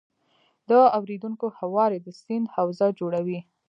د اورینوکو هوارې د سیند حوزه جوړوي.